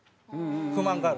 不満がある。